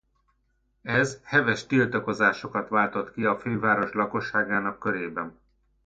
Ez heves tiltakozásokat váltott ki a főváros lakosságának körében.